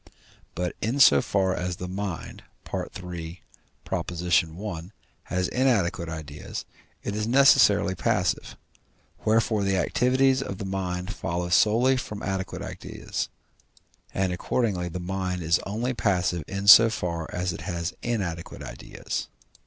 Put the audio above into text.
But in so far as the mind (III. i.) has inadequate ideas, it is necessarily passive: wherefore the activities of the mind follow solely from adequate ideas, and accordingly the mind is only passive in so far as it has inadequate ideas.